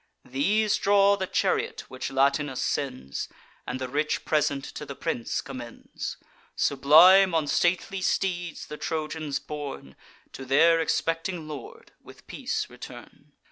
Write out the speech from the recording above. These draw the chariot which Latinus sends, And the rich present to the prince commends. Sublime on stately steeds the Trojans borne, To their expecting lord with peace return.